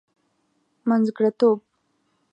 منځګړتوب.